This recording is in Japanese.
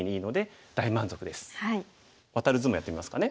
ワタる図もやってみますかね。